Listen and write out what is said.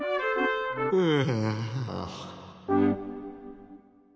うん。